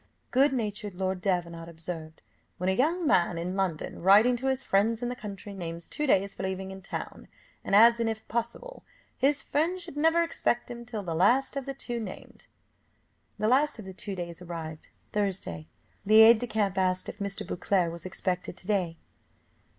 Good natured Lord Davenant observed, "When a young man in London, writing to his friends in the country, names two days for leaving town, and adds an 'if possible' his friends should never expect him till the last of the two named." The last of the two days arrived Thursday. The aide de camp asked if Mr. Beauclerc was expected to day.